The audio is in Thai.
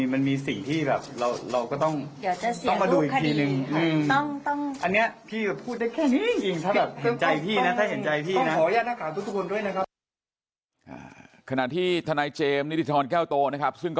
มันมีสิ่งที่แบบเราก็ต้องมาดูอีกทีนึง